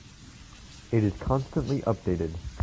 It is constantly updated.